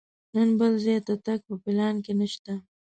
نن بل ځای ته تګ په پلان کې نه شته.